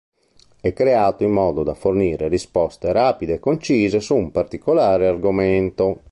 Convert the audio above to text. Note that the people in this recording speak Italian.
È creato in modo da fornire risposte rapide e concise su un particolare argomento.